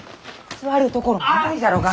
座るところもないじゃろうが！